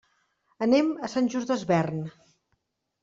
Anem a Sant Just Desvern.